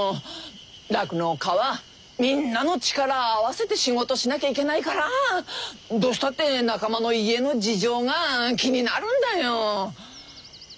酪農家はみんなの力を合わせて仕事しなきゃいけないからどうしたって仲間の家の事情が気になるんだよ。